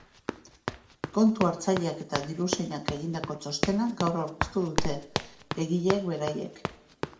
Kontu-hartzaileak eta diruzainak egindako txostena gaur aurkeztu dute, egileek beraiek.